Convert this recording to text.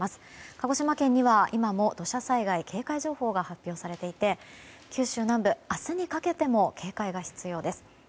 鹿児島県には今も土砂災害警戒情報が発表されていて九州南部、明日にかけても警戒が必要です。